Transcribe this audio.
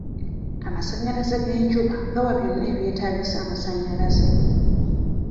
Amasannyalaze g'enjuba gawa byonna ebyetaagisa amasannyalaze.